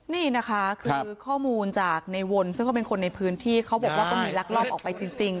นี่นะคะคือข้อมูลจากในวนซึ่งก็เป็นคนในพื้นที่เขาบอกว่าก็มีลักลอบออกไปจริง